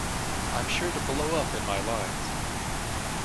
I'm sure to blow up in my lines.